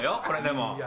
これでも。